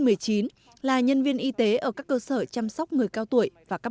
và các nhân viên y tế ở các cơ sở chăm sóc